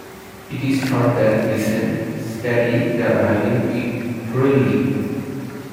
It is thought that Pisendel studied the violin with Torelli.